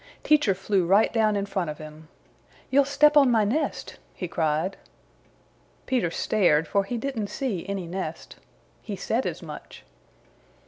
Teacher flew right down in front of him. "You'll step on my nest!" he cried. Peter stared, for he didn't see any nest. He said as much.